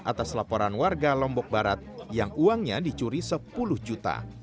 atas laporan warga lombok barat yang uangnya dicuri sepuluh juta